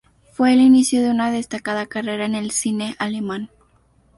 Fue el inicio de una destacada carrera en el cine alemán.